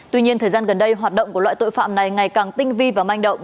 tuy nhiên thời gian gần đây hoạt động của loại tội phạm này ngày càng tinh vi và manh động